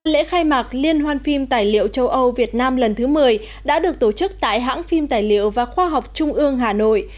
lễ khai mạc liên hoan phim tài liệu châu âu việt nam lần thứ một mươi đã được tổ chức tại hãng phim tài liệu và khoa học trung ương hà nội